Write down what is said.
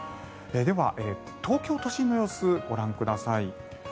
では、東京都心の様子ご覧ください。